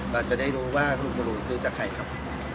เราจะได้รู้ว่าลุงบรูนซื้อจากใครครับ